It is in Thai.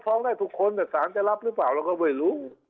ฟ้องได้ทุกคนสารจะรับหรือเปล่าเราก็ไม่รู้